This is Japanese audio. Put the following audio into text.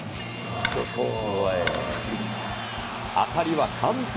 当たりは完璧。